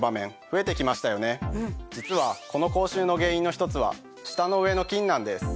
実はこの口臭の原因の１つは舌の上の菌なんです。